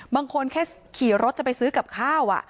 บางคนแค่ขี่รถจะไปซื้อกับข้าว